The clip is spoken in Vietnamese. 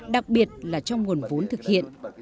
đặc biệt là trong nguồn vốn thực hiện